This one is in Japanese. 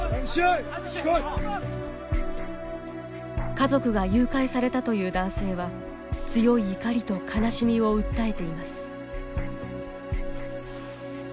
家族が誘拐されたという男性は強い怒りと悲しみを訴えています。